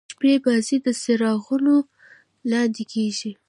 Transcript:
شپنۍ بازۍ د څراغو لانديکیږي.